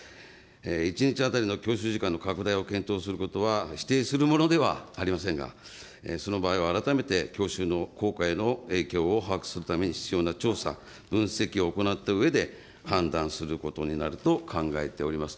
１日当たりの教習時間の拡大を検討することは否定するものではありませんが、その場合は改めて教習の効果への影響を把握するために必要な調査分析を行ったうえで、判断することになると考えております。